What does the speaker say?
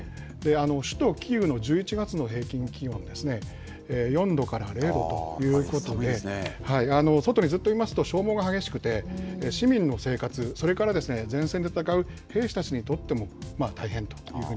首都キーウの１１月の平均気温ですね、４度から０度ということで、外にずっといますと、消耗が激しくて、市民の生活、それから前線で戦う兵士たちにとっても大変というふ